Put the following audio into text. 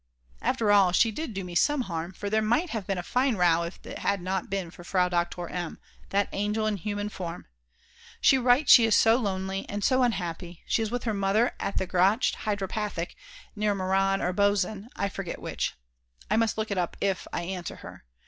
After all, she did do me some harm; for there might have been a fine row if it had not been for Frau Doktor M., that angel in human form! She writes she is so lonely and so unhappy; she is with her mother at the Gratsch Hydropathic near Meran or Bozen, I forget which, I must look it up if I answer her.